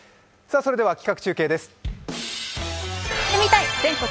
それでは企画中継です。